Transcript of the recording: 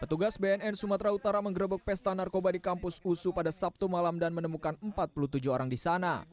petugas bnn sumatera utara menggerobok pesta narkoba di kampus usu pada sabtu malam dan menemukan empat puluh tujuh orang di sana